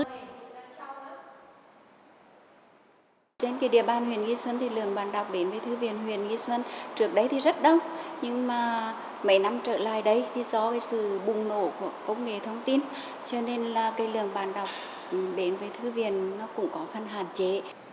trên địa bàn huyện nghi xuân thì lượng bạn đọc đến với thư viện huyện nghi xuân trước đây thì rất đông nhưng mấy năm trở lại đây do sự bùng nổ của công nghệ thông tin cho nên lượng bạn đọc đến với thư viện cũng có phần hạn chế